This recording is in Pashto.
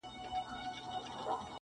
اوس درواخلئ ساړه سیوري جنتونه-